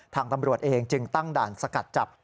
ทางตำรวจเองจึงตั้งด่านสกัดจับ